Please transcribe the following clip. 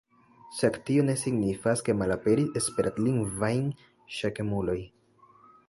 Sed tio ne signifas ke malaperis esperantlingvaj ŝakemuloj.